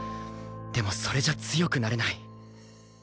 でもそれじゃ強くなれない。